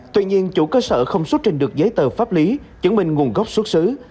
tuy nhiên chủ cơ sở không xuất trình được giấy tờ pháp lý chứng minh nguồn gốc xuất xứ